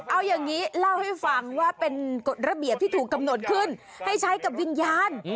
เอาอย่างนี้เล่าให้ฟังว่าเป็นกฎระเบียบที่ถูกกำหนดขึ้นให้ใช้กับวิญญาณ